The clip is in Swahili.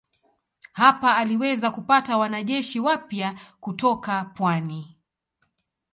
Hapa aliweza kupata wanajeshi wapya kutoka pwani.